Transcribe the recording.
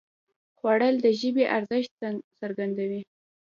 خوړل د ژبې ارزښت څرګندوي